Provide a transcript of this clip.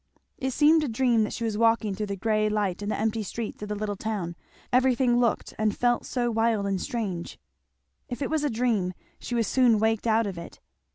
It seemed a dream that she was walking through the grey light and the empty streets of the little town; everything looked and felt so wild and strange. If it was a dream she was soon waked out of it.